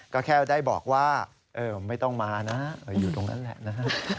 ก็แค่ได้บอกว่าไม่ต้องมานะอยู่ตรงนั้นแหละนะฮะ